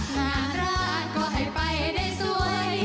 งานราชก็ให้ไปได้สวย